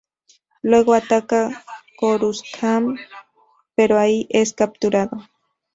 Luego ataca Coruscant, pero ahí es capturado.